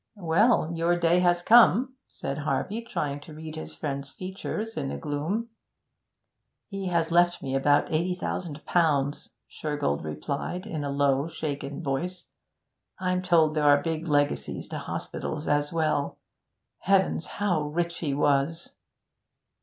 'Well, your day has come,' said Harvey, trying to read his friend's features in the gloom. 'He has left me about eighty thousand pounds,' Shergold replied, in a low, shaken voice. 'I'm told there are big legacies to hospitals as well. Heavens! how rich he was!'